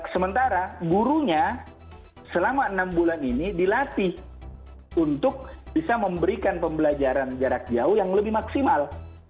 sementara gurunya selama enam bulan ini dilatih untuk bisa memberikan pembelajaran jarak jauh yang lebih maksimal